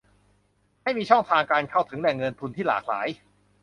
ให้มีช่องทางการเข้าถึงแหล่งเงินทุนที่หลากหลาย